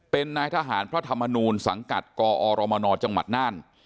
เป็นนายทหารพระธรรมนูลสังกัดกอรมนจังหวัดน่าน